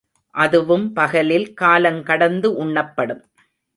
அதுவும் பகலில் காலங் கடந்து உண்ணப்படும்.